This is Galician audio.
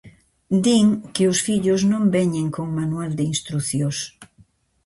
Din que os fillos non veñen con manual de instrucións.